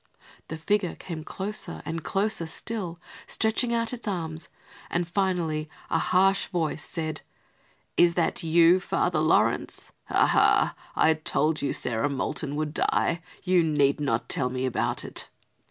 The figure came closer, and closer still, stretching out its arms, and finally a harsh voice said: "Is that you, Father Laurence? Ha! Ha! I told you Sarah Moulton would die. You need not tell me about it."